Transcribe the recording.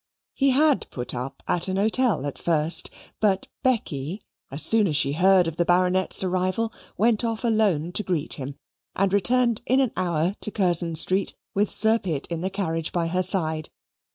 He had put up at an hotel at first, but, Becky, as soon as she heard of the Baronet's arrival, went off alone to greet him, and returned in an hour to Curzon Street with Sir Pitt in the carriage by her side.